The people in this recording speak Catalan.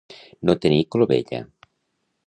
No tenir clovella.